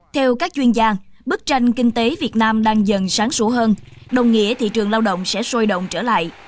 theo các chuyên gia bức tranh kinh tế việt nam đang dần sáng sủ hơn đồng nghĩa thị trường lao động sẽ sôi động trở lại